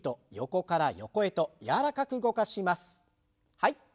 はい。